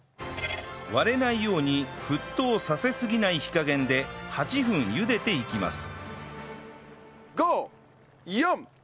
割れないように沸騰させすぎない火加減で８分茹でていきます